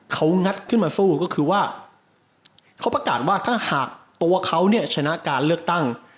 เขางัดขึ้นมาสู้ก็คือว่าเขาประกาศว่าถ้าหากตัวเขาเนี่ยชนะการเลือกตั้ง